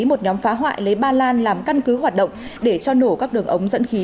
một nhóm phá hoại lấy ba lan làm căn cứ hoạt động để cho nổ các đường ống dẫn khí